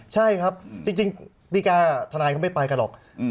ใช่ครับจริงจริงดิการทนายเขาไม่ไปกันหรอกอืม